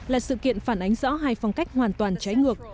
là sự kiện phản ánh rõ hai phong cách hoàn toàn trái ngược